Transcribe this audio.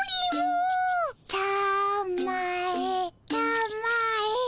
たまえたまえ。